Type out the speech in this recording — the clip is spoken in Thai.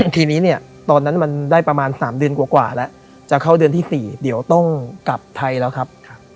ทีนี้เนี่ยตอนนั้นมันได้ประมาณ๓เดือนกว่าแล้วจะเข้าเดือนที่๔เดี๋ยวต้องกลับไทยแล้วครับ